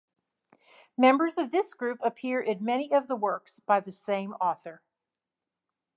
Members of this group appear in many of the works by the same author.